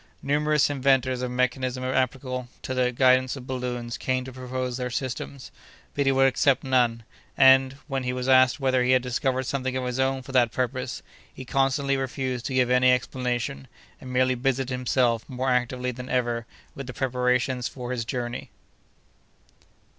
Numerous inventors of mechanism applicable to the guidance of balloons came to propose their systems, but he would accept none; and, when he was asked whether he had discovered something of his own for that purpose, he constantly refused to give any explanation, and merely busied himself more actively than ever with the preparations for his journey.